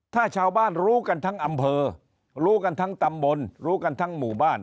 ถ้าชาวบ้านรู้กันทั้งอำเภอรู้กันทั้งตำบลรู้กันทั้งหมู่บ้าน